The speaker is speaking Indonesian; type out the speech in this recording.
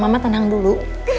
mama tenang dulu